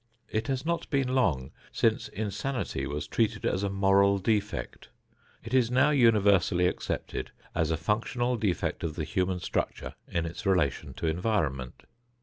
It has not been long since insanity was treated as a moral defect. It is now universally accepted as a functional defect of the human structure in its relation to environment.